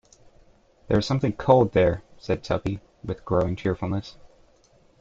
"There is something cold there," said Tuppy, with growing cheerfulness.